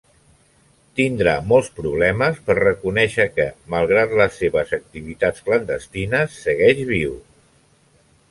Tindrà molts problemes per reconèixer que, malgrat les seves activitats clandestines, segueix viu.